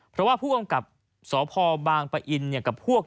เพราะว่าผู้กำกับสพบางปะอินกับพวก